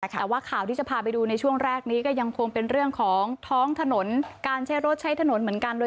แต่ว่าข่าวที่จะพาไปดูในช่วงแรกนี้ก็ยังคงเป็นเรื่องของท้องถนนการใช้รถใช้ถนนเหมือนกันเลย